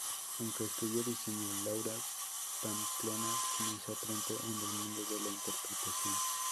Aunque estudió Diseño, Laura Pamplona comenzó pronto en el mundo de la interpretación.